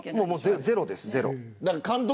ゼロです、ゼロ。